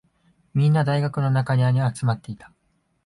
みんな、大学の中庭に集まっていた。